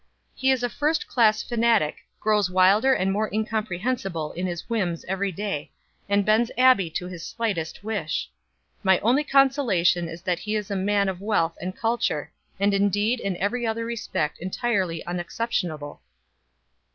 "He is a first class fanatic, grows wilder and more incomprehensible in his whims every day, and bends Abbie to his slightest wish. My only consolation is that he is a man of wealth and culture, and indeed in every other respect entirely unexceptionable."